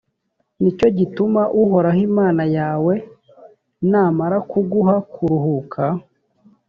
ni cyo gituma uhoraho imana yawe namara kuguha kuruhuka,